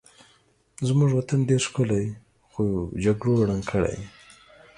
زمونږ وطن ډېر ښکلی خو جګړو ړنګ کړی